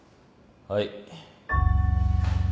はい。